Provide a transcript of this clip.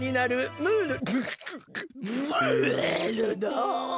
ムールの。